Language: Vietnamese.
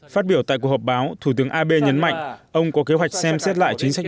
phát biểu tại cuộc họp báo thủ tướng abe nhấn mạnh ông có kế hoạch xem xét lại chính sách